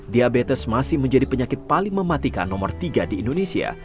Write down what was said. diabetes masih menjadi penyakit paling mematikan nomor tiga di indonesia